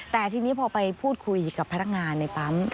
แต่ทีนี้พอไปพูดคุยกับพนักงานในปั๊ม